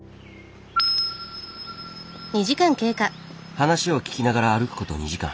話を聞きながら歩くこと２時間。